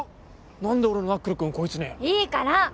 なんで俺のナックルくんこいつにいいから！